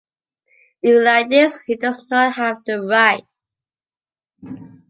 Even like this, he does not have the right.